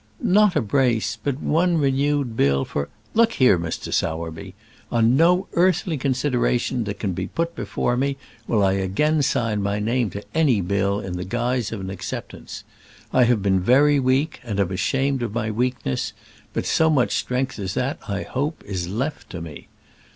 "Not a brace; but one renewed bill for " "Look here, Mr. Sowerby. On no earthly consideration that can be put before me will I again sign my name to any bill in the guise of an acceptance. I have been very weak, and am ashamed of my weakness; but so much strength as that, I hope, is left to me.